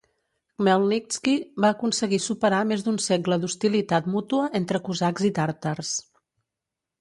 Khmelnitski va aconseguir superar més d'un segle d'hostilitat mútua entre cosacs i tàrtars.